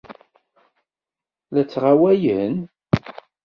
La ttɣawalen?